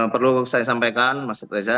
perlu saya sampaikan mas reza